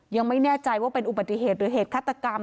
ยังไม่แน่ใจว่าเป็นอุบัติเหตุหรือเหตุฆาตกรรม